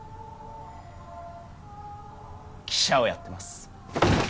記者をやってます。